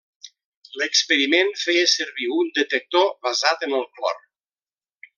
L'experiment feia servir un detector basat en el clor.